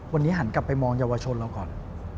วันนี้หันกลับไปมองเยาวชนเราก่อน